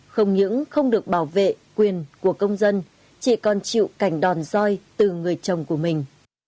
không những không được bảo vệ quyền của công dân chị còn chịu cảnh đòn roi từ người chồng của mình